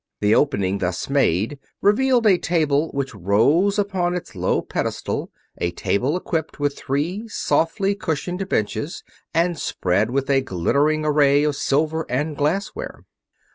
The opening thus made revealed a table which rose upon its low pedestal, a table equipped with three softly cushioned benches and spread with a glittering array of silver and glassware.